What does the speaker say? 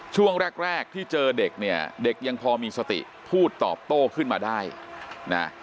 ช่วงแรกแรกที่เจอเด็กเนี่ยเด็กยังพอมีสติพูดตอบโต้ขึ้นมาได้นะ